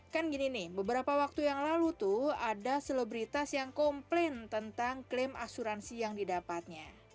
kan gini nih beberapa waktu yang lalu tuh ada selebritas yang komplain tentang klaim asuransi yang didapatnya